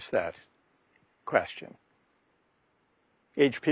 ＨＰ。